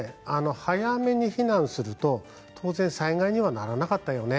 早めに避難すると当然災害にはならなかったよね